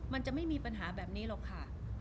มันจะไม่มีปัญหาแบบนี้หรอกค่ะ